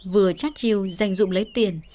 vừa chát chiêu dành dụng lấy tiền